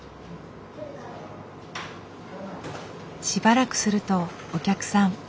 しばらくするとお客さん。